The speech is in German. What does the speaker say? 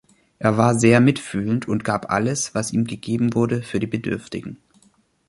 Er war sehr mitfühlend und gab alles, was ihm gegeben wurde, für die Bedürftigen.